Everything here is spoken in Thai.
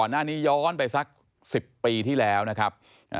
หน้านี้ย้อนไปสัก๑๐ปีที่แล้วนะครับ